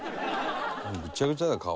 もうぐちゃぐちゃだよ顔。